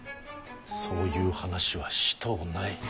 そういう話はしとうない。